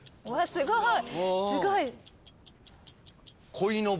すごい。